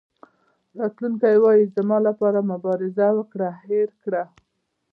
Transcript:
راتلونکی وایي زما لپاره مبارزه وکړه هېر کړه.